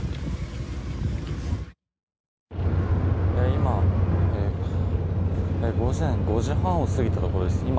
今午前５時半を過ぎたところです。